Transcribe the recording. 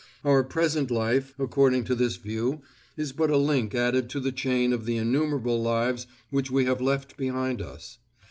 Our present life, according to this view, is but a link added to the chain of the innumerable lives which we have left behind us.